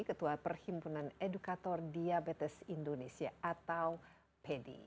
ketua perhimpunan edukator diabetes indonesia atau pedi